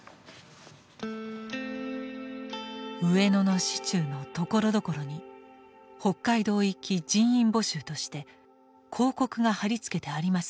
「上野の市中のところどころに北海道行人員募集として広告が貼り付けてあります